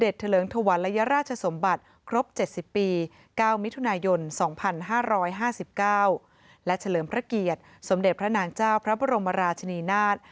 และเฉลิมพระเกียรติสมเด็จพระนางเจ้าพระบรมราชนีนาฏ